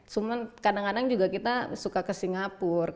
cuman kadang kadang juga kita suka ke singapura